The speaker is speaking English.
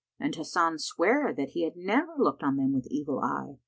And Hasan sware that he had never looked on them with evil of eye.